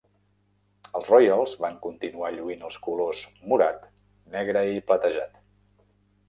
Els Royals van continuar lluint els colors morat, negre i platejat.